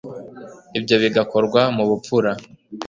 ibyo bigakorwa mu bupfura